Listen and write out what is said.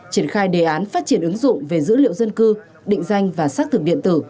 triển khai đề án phát triển ứng dụng về dữ liệu dân cư định danh và xác thực điện tử